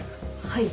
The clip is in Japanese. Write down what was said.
はい。